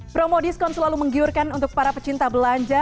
promo diskon selalu menggiurkan untuk para pecinta belanja